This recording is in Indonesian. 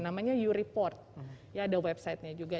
namanya u report ya ada website nya juga